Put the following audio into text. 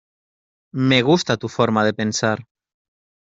Me gusta tu forma de pensar.